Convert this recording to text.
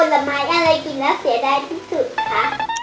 ผลไม้อะไรกินแล้วเสียดายที่สุดคะ